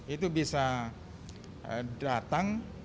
itu bisa datang